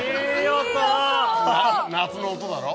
夏の音だろ？